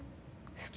好き。